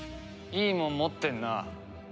いいもん持ってんな。